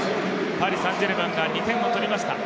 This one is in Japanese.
パリ・サン＝ジェルマンが２点を取りました。